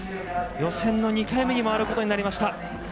予選の２回目に回ることになりました。